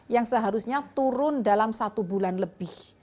yang seharusnya turun dalam satu bulan lebih